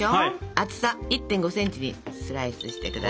厚さ１．５ｃｍにスライスしてください。